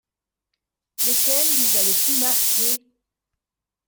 Lequel nous a le plus marqué?